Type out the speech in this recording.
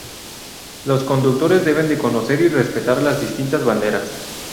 Los conductores deben de conocer y respetar las distintas banderas.